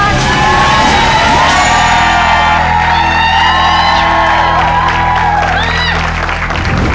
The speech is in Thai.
เย้